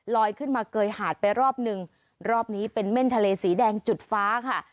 ขึ้นมาเกยหาดไปรอบหนึ่งรอบนี้เป็นเม่นทะเลสีแดงจุดฟ้าค่ะ